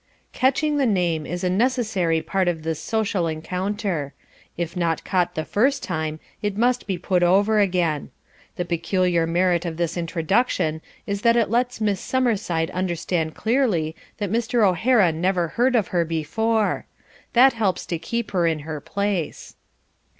"Catching the name" is a necessary part of this social encounter. If not caught the first time it must be put over again. The peculiar merit of this introduction is that it lets Miss Summerside understand clearly that Mr. O'Hara never heard of her before. That helps to keep her in her place.